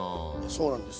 そうなんですよ。